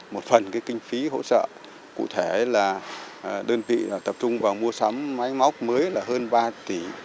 một phần kinh phí hỗ trợ cụ thể là đơn vị tập trung vào mua sắm máy móc mới là hơn ba tỷ